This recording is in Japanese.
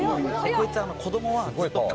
こいつ。